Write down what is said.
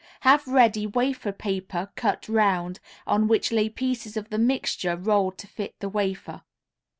Have ready wafer paper cut round, on which lay pieces of the mixture rolled to fit the wafer.